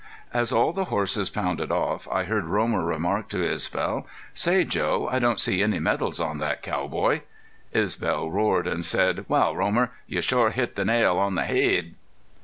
As all the horses pounded off I heard Romer remark to Isbel: "Say, Joe, I don't see any medals on that cowboy." Isbel roared, and said: "Wal, Romer, you shore hit the nail, on the haid!"